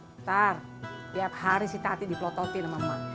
ntar tiap hari si tati diplototin sama emak